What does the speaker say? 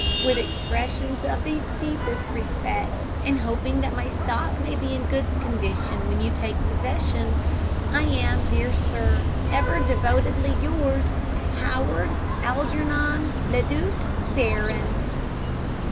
With expressions of the deepest respect, and hoping that my stock may be in good condition when you take possession, I am, dear sir, ever devotedly yours, HOWARD ALGERNON LEDUC BARRON.